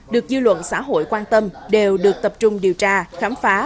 được dư luận xã hội quan tâm đều được tập trung điều tra khám phá